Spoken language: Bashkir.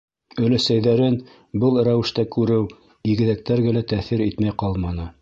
Өләсәйҙәрен был рәүештә күреү игеҙәктәргә лә тәьҫир итмәй ҡалманы.